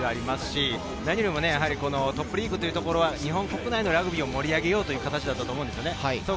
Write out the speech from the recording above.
さまざま所でハイレベルな戦いがありますし、何よりもトップリーグというところは日本国内のラグビーを盛り上げようという形だったと思うんです。